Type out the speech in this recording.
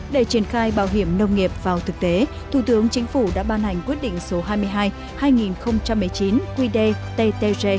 để triển khai bảo hiểm nông nghiệp vào thực tế thủ tướng chính phủ đã ban hành quyết định số hai mươi hai hai nghìn một mươi chín qd ttg